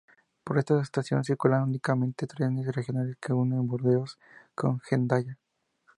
Por esta estación circulan únicamente trenes regionales que unen Burdeos con Hendaya.